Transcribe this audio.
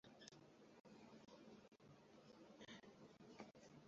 তিনি উক্ত চলচ্চিত্রটি পরিচালনা করছিলেন।